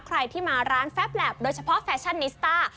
ใครที่มาร้านแฟบแล็บโดยเฉพาะแฟชั่นนิสต้า